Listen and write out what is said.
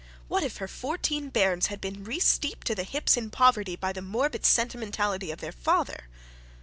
What if her fourteen bairns had been resteeped to the hips in poverty by the morbid sentimentality of their father?